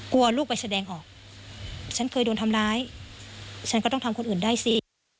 ลูกไปแสดงออกฉันเคยโดนทำร้ายฉันก็ต้องทำคนอื่นได้สิ